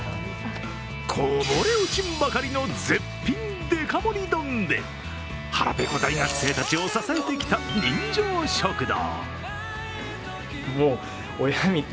こぼれ落ちんばかりの絶品デカ盛り丼で腹ぺこ大学生たちを支えてきた人情食堂。